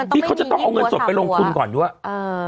ที่เขาจะต้องเอาเงินสดไปลงทุนก่อนด้วย